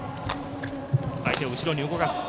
相手を後ろに動かす。